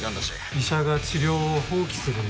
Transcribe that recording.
医者が治療を放棄するんですか？